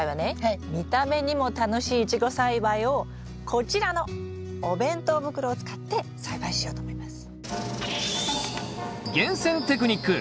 見た目にも楽しいイチゴ栽培をこちらのお弁当袋を使って栽培しようと思います。